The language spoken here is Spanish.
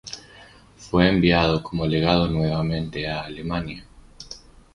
Fue enviado como legado nuevamente a Alemania.